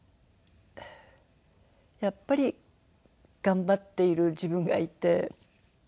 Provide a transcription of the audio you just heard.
やっぱり頑張っている自分がいて。